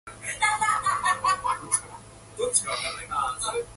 Aired as part of "Fred and Barney Meet The Thing"